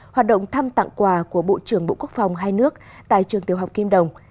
hoạt động thăm tặng quà của bộ trưởng bộ quốc phòng hai nước tại trường tiểu học kim đồng